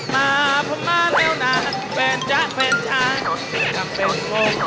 มาเพราะมาแล้วนะเฟนจ๊ะเฟนจ๊ะเสียงนี้เฟนคงจำได้